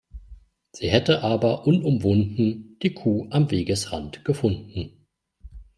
Sie hätte aber unumwunden, die Kuh am Wegesrand gefunden.